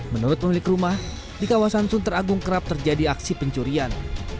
menurut pemilik rumah di kawasan sunter agung kerap terjadi aksi pencurian